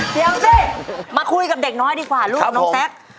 เดี๋ยวสิมาคุยกับเด็กน้อยดีกว่าลูกน้องแซค